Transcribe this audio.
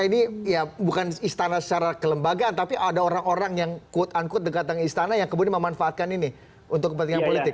ini ya bukan istana secara kelembagaan tapi ada orang orang yang quote unquote dekat dengan istana yang kemudian memanfaatkan ini untuk kepentingan politik